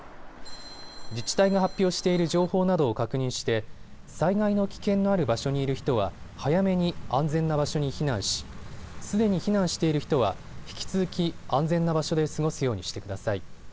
自治体が発表している情報などを確認して災害の危険のある場所にいる人は早めに安全な場所に避難し、すでに避難している人は引き続き安全な場所で過ごすようにしてください。